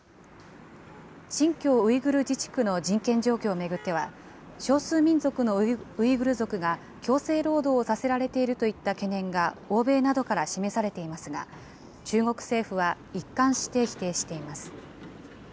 新疆ウイグル自治区の人権状況を巡っては、少数民族のウイグル族が、強制労働をさせられているといった懸念が欧米などから示されていますが、中国政府は一貫して否定しています。